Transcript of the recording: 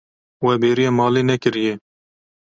We bêriya malê nekiriye.